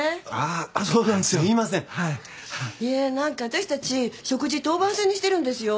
何か私たち食事当番制にしてるんですよ。